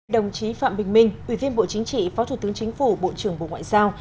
đồng chí phạm bình minh ủy viên bộ chính trị phó thủ tướng chính phủ bộ trưởng bộ ngoại giao